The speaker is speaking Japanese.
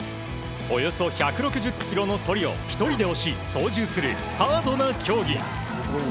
およそ１６０ｋｇのそりを１人で押し操縦するハードな競技。